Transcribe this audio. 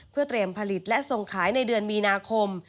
เพื่อเตรียมผลิตและส่งขายในเดือนมีนาคม